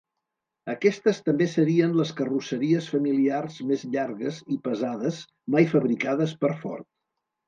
Aquestes també serien les carrosseries familiars més llargues i pesades mai fabricades per Ford.